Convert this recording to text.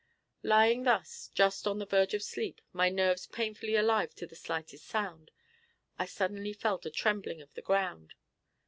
Lying thus, just on the verge of sleep, my nerves painfully alive to the slightest sound, I suddenly felt a trembling of the ground.